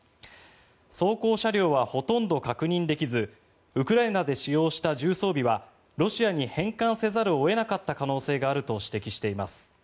装甲車両はほとんど確認できずウクライナで使用した重装備はロシアに返還せざるを得なかった可能性があると指摘しています。